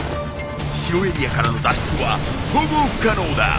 ［城エリアからの脱出はほぼ不可能だ］